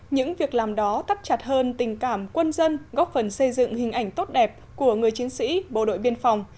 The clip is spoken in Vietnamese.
những việc làm đó tắt chặt hơn tình cảm quân dân góp phần xây dựng hình ảnh tốt đẹp của người chiến sĩ bộ đội biên phòng